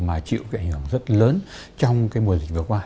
mà chịu ảnh hưởng rất lớn trong mùa dịch vừa qua